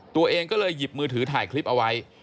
ตัวเองก็เลยหยิบมือถือถ่ายคลิปเอาไว้